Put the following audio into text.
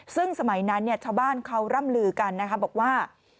ซึ่งสมัยนั้นชาวบ้านเขาร่ำลือกันนะคะบอกว่า